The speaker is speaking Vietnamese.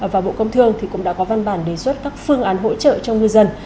và bộ công thương cũng đã có văn bản đề xuất các phương án hỗ trợ cho ngư dân